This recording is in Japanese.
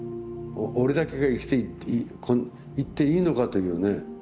俺だけが生きて行っていいのかというね。